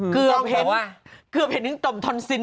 เห็นเกือบเห็นถึงต่อมทอนซิน